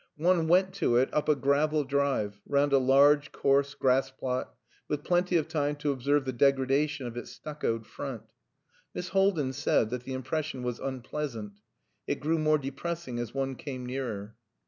One went to it up a gravel drive, round a large, coarse grass plot, with plenty of time to observe the degradation of its stuccoed front. Miss Haldin said that the impression was unpleasant. It grew more depressing as one came nearer.